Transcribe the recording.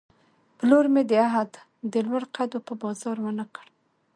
پلور مې د عهد، د لوړ قدو په بازار ونه کړ